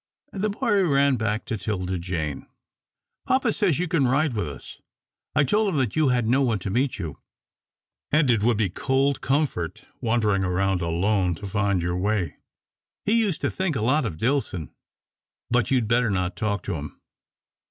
and the boy ran back to 'Tilda Jane. "Papa says you can ride with us. I told him you had no one to meet you, and it would be cold comfort wandering about alone to find your way. He used to think a lot of Dillson, but you'd better not talk to him."